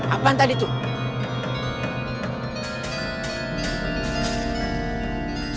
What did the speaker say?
apaan tadi tuh